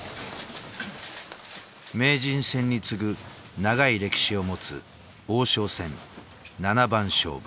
名人戦に次ぐ長い歴史を持つ王将戦七番勝負。